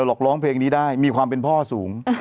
หรอกร้องเพลงนี้ได้มีความเป็นพ่อสูง